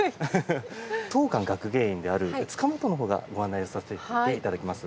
当館学芸員である塚本のほうがご案内をさせて頂きます。